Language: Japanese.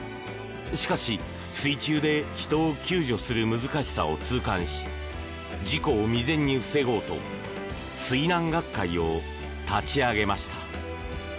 しかし、水中で人を救助する難しさを痛感し事故を未然に防ごうと水難学会を立ち上げました。